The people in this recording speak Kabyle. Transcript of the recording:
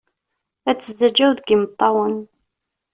Ad tezzağğaw deg imeṭṭawen.